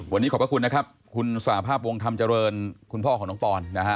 วันนี้ขอบพระคุณนะครับคุณสหภาพวงธรรมเจริญคุณพ่อของน้องปอนนะฮะ